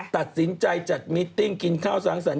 ตัดสินใจจัดมิตติ้งกินข้าวสร้างสรรค